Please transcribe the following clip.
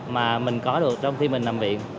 mà mình có được trong khi mình làm viện